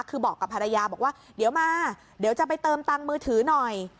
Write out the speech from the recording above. คือบอกกับภรรยาบอกว่าเดี๋ยวมาเดี๋ยวจะไปเติมตังค์มือถือหน่อย